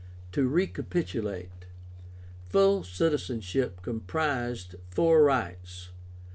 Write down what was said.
To recapitulate: Full citizenship comprised four rights, viz.